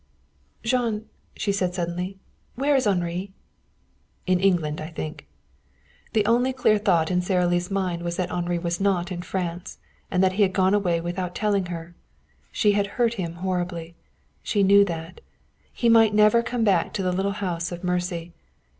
"Jean," she said suddenly, "where is Henri?" "In England, I think." The only clear thought in Sara Lee's mind was that Henri was not in France, and that he had gone without telling her. She had hurt him horribly. She knew that. He might never come back to the little house of mercy.